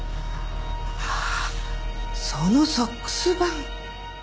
ああそのソックス版。